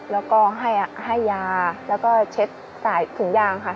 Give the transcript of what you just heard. แล้วก็ให้ยาแล้วก็เช็ดสายถุงยางค่ะ